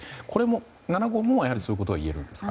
７号もそういうことが言えるんですか。